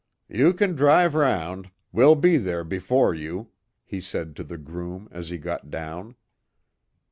"You can drive round; we'll be there before you," he said to the groom as he got down.